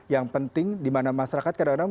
yang penting dimana masyarakat kadang kadang